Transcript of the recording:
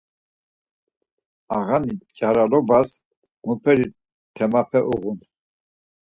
Ağani ç̌aralobas muperi temape uğun?